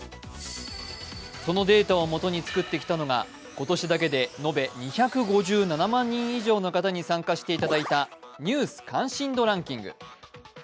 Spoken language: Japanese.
そのデータを基に作ってきたのが今年だけで延べ２５７万以上の方に投票していただいた「ニュース関心度ランキング」。